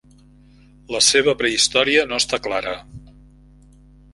La seva prehistòria no està clara.